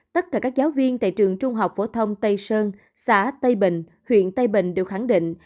tất cả các giáo viên tại trường trung học phổ thông tây sơn xã tây bình huyện tây bình đều khẳng định